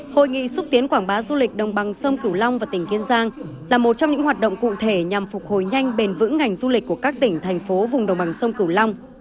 hội nghị xúc tiến quảng bá du lịch đồng bằng sông cửu long và tỉnh kiên giang là một trong những hoạt động cụ thể nhằm phục hồi nhanh bền vững ngành du lịch của các tỉnh thành phố vùng đồng bằng sông cửu long